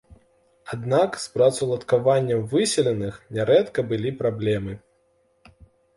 Аднак з працаўладкаваннем выселеных нярэдка былі праблемы.